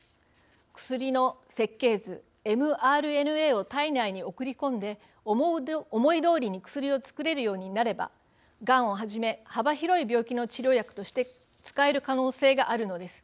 薬の設計図ｍＲＮＡを体内に送り込んで思いどおりに薬を作れるようになればがんをはじめ幅広い病気の治療薬として使える可能性があるのです。